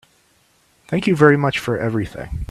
Thank you very much for everything.